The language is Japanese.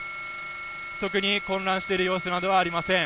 特に混乱している様子などはありません。